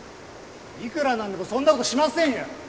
いくらなんでもそんな事しませんよ！